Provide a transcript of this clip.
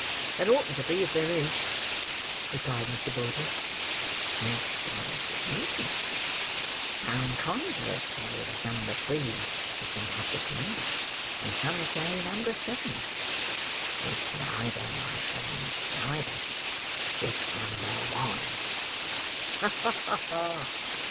"There oughn't to be, if there is," replied Mr. Bolter. "That stands to reason. Some conjurers say that number three is the magic number, and some say number seven. It's neither, my friend, neither. It's number one." "Ha! ha!"